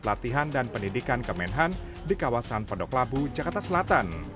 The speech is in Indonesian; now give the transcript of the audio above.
pelatihan dan pendidikan kemenhan di kawasan pondok labu jakarta selatan